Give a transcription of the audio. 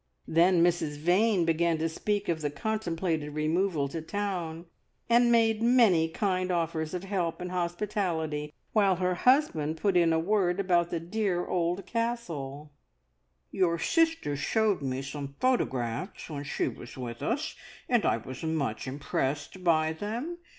Then Mrs Vane began to speak of the contemplated removal to town, and made many kind offers of help and hospitality, while her husband put in a word about the dear old Castle. "Your sister showed me some photographs when she was with us, and I was much impressed by them.